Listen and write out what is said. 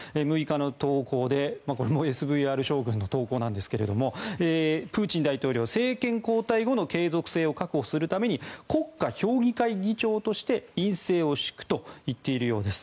６日の投稿でこれもＳＶＲ将軍の投稿ですがプーチン大統領政権交代後の継続性を確保するために国家評議会議長として院政を敷くと言っているようです。